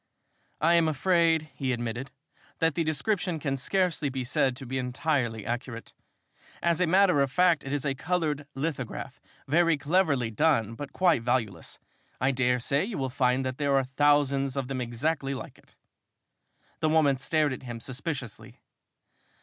"I am afraid," he admitted, "that the description can scarcely be said to be entirely accurate. As a matter of fact, it is a colored lithograph, very cleverly done but quite valueless. I dare say you would find that there are thousands of them exactly like it." The woman stared at him suspiciously.